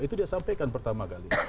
itu dia sampaikan pertama kali